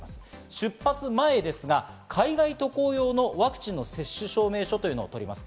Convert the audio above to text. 出発前ですが海外渡航用のワクチンの接種証明書を取ります。